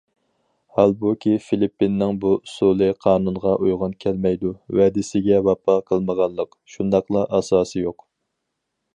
ھالبۇكى، فىلىپپىنىڭ بۇ ئۇسۇلى قانۇنغا ئۇيغۇن كەلمەيدۇ، ۋەدىسىگە ۋاپا قىلمىغانلىق شۇنداقلا ئاساسى يوق.